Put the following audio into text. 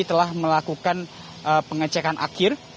telah melakukan pengecekan akhir